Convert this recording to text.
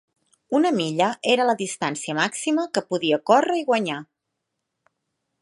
Una milla era la distància màxima que podia córrer i guanyar.